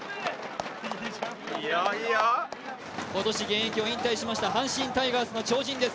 今年現役を引退しました阪神タイガースの超人です。